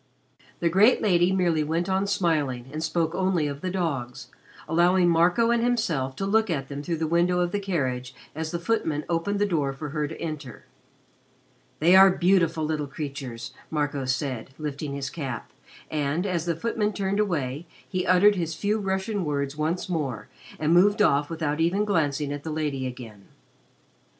The great lady merely went on smiling, and spoke only of the dogs, allowing Marco and himself to look at them through the window of the carriage as the footman opened the door for her to enter. "They are beautiful little creatures," Marco said, lifting his cap, and, as the footman turned away, he uttered his few Russian words once more and moved off without even glancing at the lady again.